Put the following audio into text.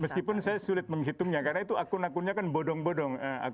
meskipun saya sulit menghitungnya karena itu akun akunnya kan bodong bodong